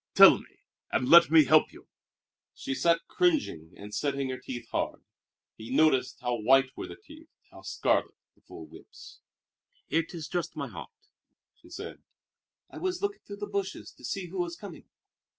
Tell me, and let me help you." She sat cringing and setting her teeth hard. He noticed how white were the teeth, how scarlet the full lips. "It is just my heart," she said. "I was looking through the bushes to see who was coming.